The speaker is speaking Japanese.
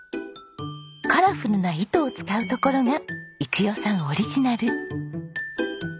カラフルな糸を使うところが育代さんオリジナル。